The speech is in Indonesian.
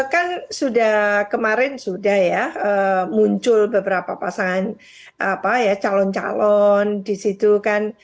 kan sudah kemarin sudah ya muncul beberapa pasangan calon calon di situ kan